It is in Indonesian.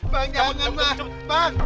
bang jangan bang